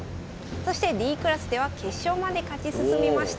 そしてＤクラスでは決勝まで勝ち進みました。